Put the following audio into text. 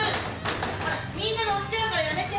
ほら、みんな乗っちゃうからやめて。